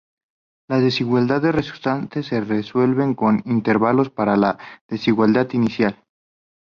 Las desigualdades resultantes se resuelven con intervalos para la desigualdad inicial.